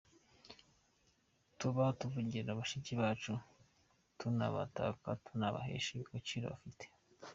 Tuba tuvugira bashiki bacu tunabataka, tunabahesha agaciro bafite.